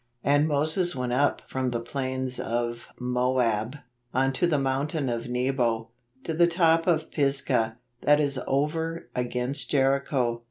" And Moses went up from the plains of Moab unto the mountain of Nebo , to the top of Pisgah , that is over against Jericho.